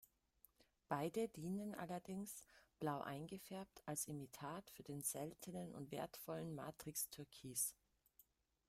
Beide dienen allerdings, blau eingefärbt, als Imitat für den seltenen und wertvollen Matrix-Türkis.